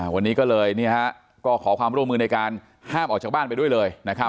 วันนี้ก็เลยก็ขอความร่วมมือในการห้ามออกจากบ้านไปด้วยเลย